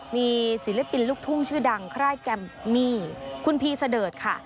มีศิลปินลูกทุ่งชื่อดังค่ายแกมมี่คุณพีเสดิร์ดค่ะ